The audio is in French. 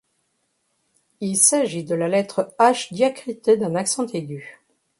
Il s’agit de la lettre H diacritée d’un accent aigu.